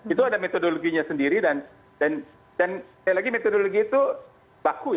itu ada metodologinya sendiri dan lagi lagi metodologi itu baku ya digunakan diseluruh dunia